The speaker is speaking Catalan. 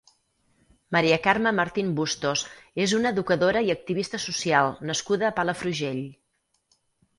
Maria Carme Martín Bustos és una educadora i activista social nascuda a Palafrugell.